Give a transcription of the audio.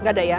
gak ada ya